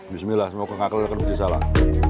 bismillah semoga ngakulkan biji salah